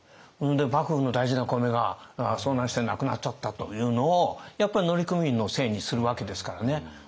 幕府の大事な米が遭難してなくなっちゃったというのをやっぱり乗組員のせいにするわけですからね。